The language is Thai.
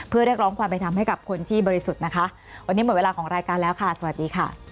โปรดติดตามตอนต่อไป